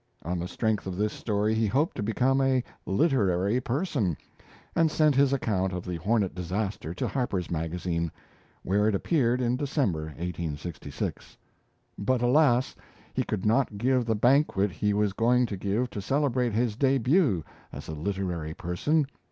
On the strength of this story, he hoped to become a "Literary Person," and sent his account of the Hornet disaster to Harper's Magazine, where it appeared in December, 1866. But alas! he could not give the banquet he was going to give to celebrate his debut as a "Literary Person."